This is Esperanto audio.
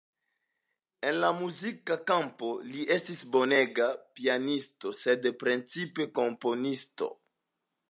En la muzika kampo li estis bonega pianisto, sed precipe komponisto.